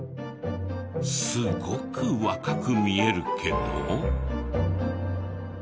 すごく若く見えるけど。